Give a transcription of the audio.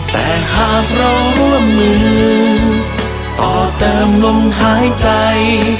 แต่หากเราร่วมมือต่อเติมลมหายใจ